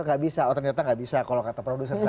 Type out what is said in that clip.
nggak bisa oh ternyata nggak bisa kalau kata produser saya